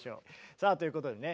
さあということでね